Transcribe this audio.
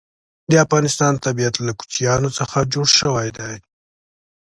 د افغانستان طبیعت له کوچیانو څخه جوړ شوی دی.